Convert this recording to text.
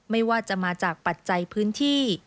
ไม่ว่าจะมาจากปัจจัยพื้นที่